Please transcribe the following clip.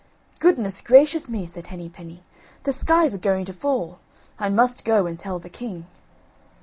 "Goodness gracious me!" said Henny penny; "the sky's a going to fall; I must go and tell the king."